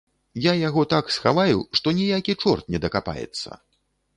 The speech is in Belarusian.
Я яго так схаваю, што ніякі чорт не дакапаецца.